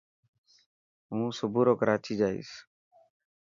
هون صبورو ڪراچي جائين.